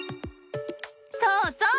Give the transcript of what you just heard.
そうそう！